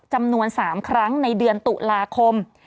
จำนวน๓ครั้งในเดือนตุลาคม